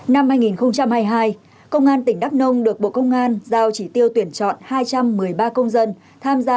năm hai nghìn hai mươi hai công an tỉnh đắk nông được bộ công an giao chỉ tiêu tuyển chọn hai trăm một mươi ba công dân tham gia